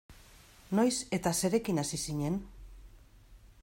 Noiz eta zerekin hasi zinen?